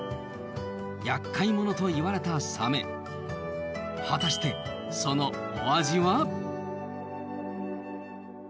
やっかい者と言われたサメ果たしてそのお味は？